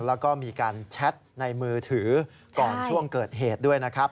แล้วก็มีการแชทในมือถือก่อนช่วงเกิดเหตุด้วยนะครับ